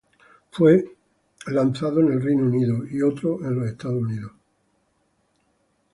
Uno fue lanzado en el Reino Unido, y otro en los Estados Unidos.